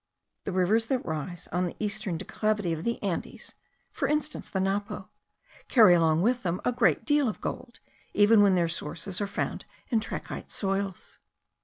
The rivers that rise on the eastern declivity of the Andes (for instance the Napo) carry along with them a great deal of gold, even when their sources are found in trachytic soils.